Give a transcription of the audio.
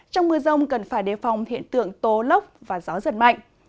trong mưa rông cần phải đề phòng hiện tượng tố lốc và gió giật mạnh